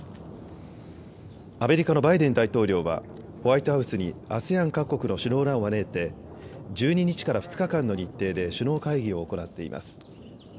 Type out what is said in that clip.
アメリカのバイデン大統領はホワイトハウスにＡＳＥＡＮ各国の首脳らを招いて１２日から２日間の日程で首脳会議を行っています。